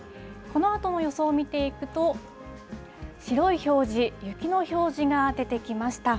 このあとの予想見ていくと、白い表示、雪の表示が出てきました。